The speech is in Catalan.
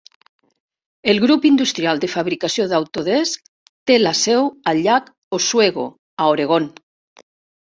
El grup industrial de fabricació d'Autodesk té la seu al llac Oswego, a Oregon.